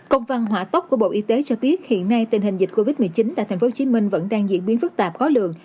công văn hỏa tốc của bộ y tế cho biết hiện nay tình hình dịch covid một mươi chín tại tp hcm vẫn đang diễn biến phức tạp khó lường